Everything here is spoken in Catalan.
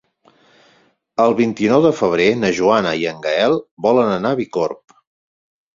El vint-i-nou de febrer na Joana i en Gaël volen anar a Bicorb.